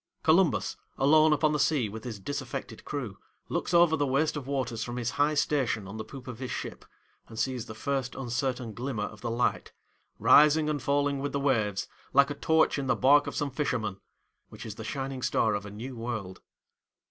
Columbus, alone upon the sea with his disaffected crew, looks over the waste of waters from his high station on the poop of his ship, and sees the first uncertain glimmer of the light, 'rising and falling with the waves, like a torch in the bark of some fisherman,' which is the shining star of a new world.